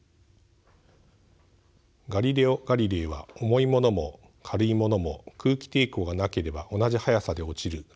ガリレオ・ガリレイは重いものも軽いものも空気抵抗がなければ同じ速さで落ちると主張しました。